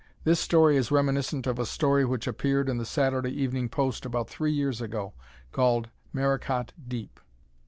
This story is reminiscent of a story which appeared in The Saturday Evening Post about three years ago called "Maracot Deep."